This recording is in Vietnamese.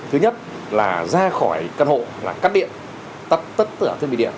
thứ nhất là ra khỏi căn hộ là cắt điện tắt tửa thêm điện